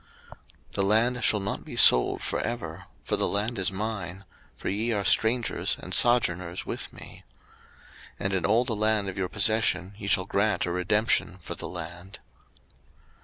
03:025:023 The land shall not be sold for ever: for the land is mine, for ye are strangers and sojourners with me. 03:025:024 And in all the land of your possession ye shall grant a redemption for the land.